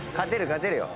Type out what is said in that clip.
勝てるよ。